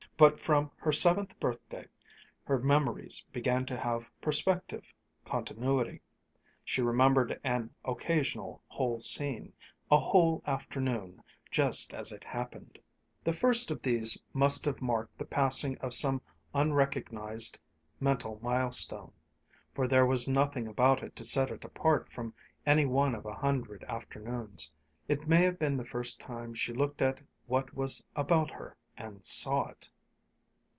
But from her seventh birthday her memories began to have perspective, continuity. She remembered an occasional whole scene, a whole afternoon, just as it happened. The first of these must have marked the passing of some unrecognized mental milestone, for there was nothing about it to set it apart from any one of a hundred afternoons. It may have been the first time she looked at what was about her, and saw it.